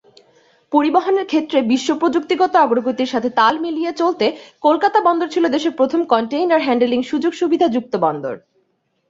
পরিবহনের ক্ষেত্রে বিশ্ব প্রযুক্তিগত অগ্রগতির সাথে তাল মিলিয়ে চলতে, কলকাতা বন্দর ছিল দেশের প্রথম কন্টেইনার হ্যান্ডলিং সু্যোগ-সুবিধা যুক্ত বন্দর।